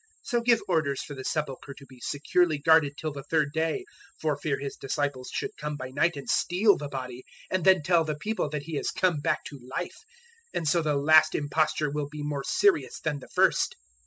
027:064 So give orders for the sepulchre to be securely guarded till the third day, for fear his disciples should come by night and steal the body, and then tell the people that he has come back to life; and so the last imposture will be more serious than the first."